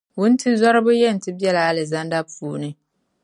Wuntizɔriba yɛn ti bela Alizanda puuni.